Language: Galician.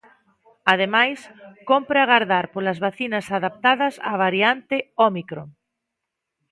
Ademais, cómpre agardar polas vacinas adaptadas á variante ómicron.